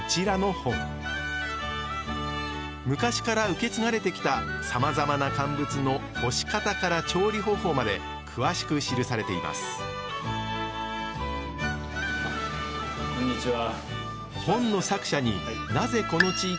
昔から受け継がれてきたさまざまな乾物の干し方から調理方法まで詳しく記されていますこんにちは。